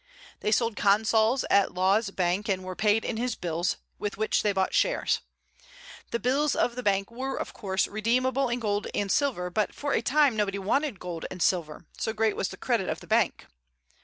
They sold consols at Law's bank, and were paid in his bills, with which they bought shares. The bills of the bank were of course redeemable in gold and silver; but for a time nobody wanted gold and silver, so great was the credit of the bank.